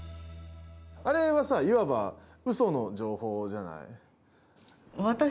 あれはさいわばうその情報じゃない。